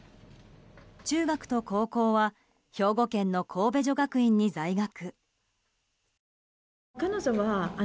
中学と高校は兵庫県の神戸女学院に在学。